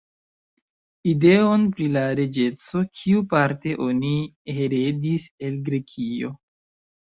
Ideon, pri la reĝeco, kiu, parte, oni heredis el Grekio.